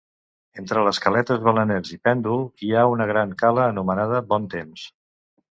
Entre les caletes Baleners i Pèndol hi ha una gran cala anomenada Bon Temps.